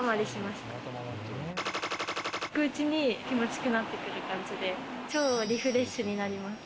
していくうちに気持ちよくなってくる感じで超リフレッシュになります。